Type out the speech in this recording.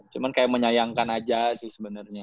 cuman kayak menyayangkan aja sih sebenernya